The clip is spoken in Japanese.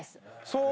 そう。